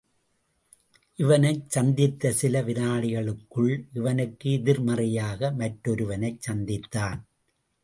இவனைச் சந்தித்த சில விநாடிகளுக்குள் இவனுக்கு எதிர்மறையாக மற்றொருவனைச் சந்தித்தான்.